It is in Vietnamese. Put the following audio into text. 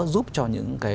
giúp cho những cái